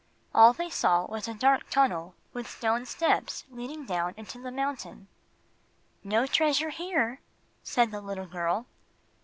All they saw was a dark tunnel, with stone steps leading down into the mountain. "No treasure here," said the little girl.